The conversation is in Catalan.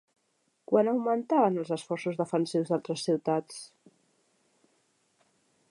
Quan augmentaven els esforços defensius d'altres ciutats?